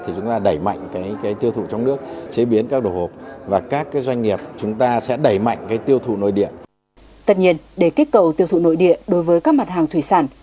tất nhiên để kích cầu tiêu thụ nội địa đối với các mặt hàng thủy sản